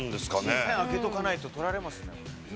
１位ね開けとかないと取られますね。